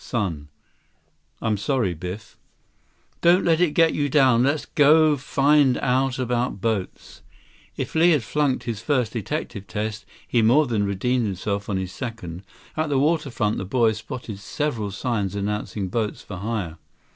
Son. I'm sorry, Biff." "Don't let it get you down. Let's go find out about boats." If Li had flunked his first detective test, he more than redeemed himself on his second. At the waterfront, the boys spotted several signs announcing boats for hire.